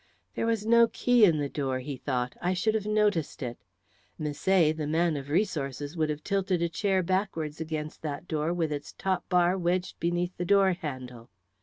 "There was no key in the door," he thought. "I should have noticed it. Misset, the man of resources, would have tilted a chair backwards against that door with its top bar wedged beneath the door handle."